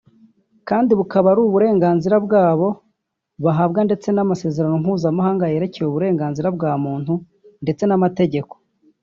kandi bukaba ari n’uburenganzira bwabo bahabwa ndetse n’amasezerano mpuzamhanga yerekeye uburenganzira bwa muntu ndetse n’amategeko